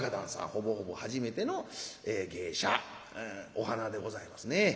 ほぼほぼ初めての芸者お花でございますね。